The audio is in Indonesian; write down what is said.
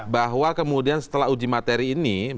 bahwa kemudian setelah uji materi ini